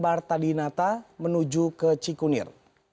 marta dinata menuju ke cikunir